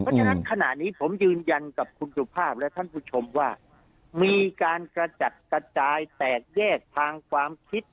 เพราะฉะนั้นขณะนี้ผมยืนยันกับคุณสุภาพและท่านผู้ชมว่ามีการกระจัดกระจายแตกแยกทางความคิด